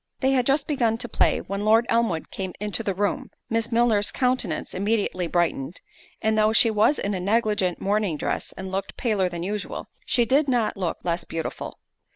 They had just begun to play when Lord Elmwood came into the room—Miss Milner's countenance immediately brightened, and though she was in a negligent morning dress, and looked paler than usual, she did not look less beautiful.